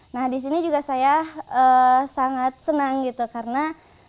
nah di sini juga saya sangat senang gitu karena